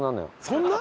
そんな！？